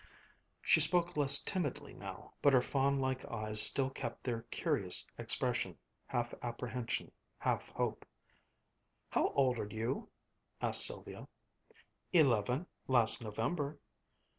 She spoke less timidly now, but her fawn like eyes still kept their curious expression, half apprehension, half hope. "How old are you?" asked Sylvia. "Eleven, last November."